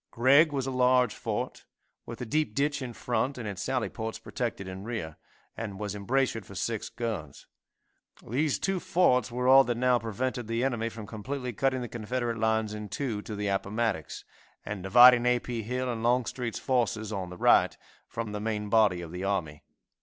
Gregg was a large fort, with a deep ditch in front, and its sally ports protected in rear, and was embrasured for six guns. These two forts were all that now prevented the enemy from completely cutting the Confederate lines in two to the Appomattox, and dividing A. P. Hill and Longstreet's forces, on the right, from the main body of the army.